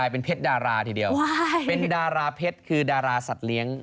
เป็นดาราเผ็ดคือดาราสัตว์เลี้ยง